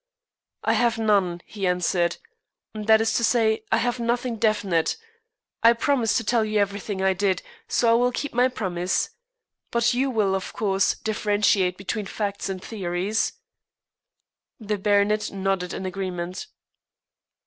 "I have none," he answered. "That is to say, I have nothing definite. I promised to tell you everything I did, so I will keep my promise, but you will, of course, differentiate between facts and theories?" The baronet nodded an agreement.